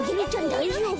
だいじょうぶ？